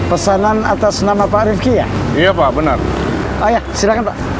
pesanan atas nama pak rifki ya iya pak benar